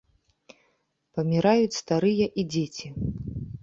Паміраюць старыя і дзеці.